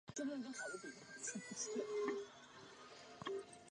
大型蝴蝶。